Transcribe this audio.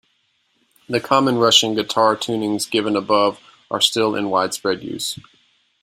The common Russian guitar tunings given above are still in widespread use.